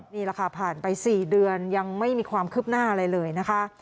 นี่แหละค่ะผ่านไป๔เดือนยังไม่มีความคืบหน้าอะไรเลยนะคะ